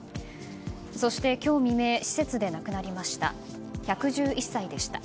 そして今日未明施設で亡くなりました。